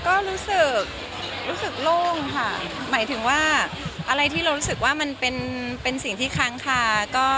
ก็รู้สึกรู้สึกโล่งค่ะหมายถึงว่าอะไรที่เรารู้สึกว่ามันเป็นสิ่งที่ค้างคา